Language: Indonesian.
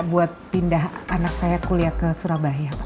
buat pindah anak saya kuliah ke surabaya pak